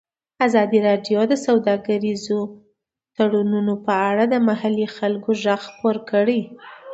ازادي راډیو د سوداګریز تړونونه په اړه د محلي خلکو غږ خپور کړی.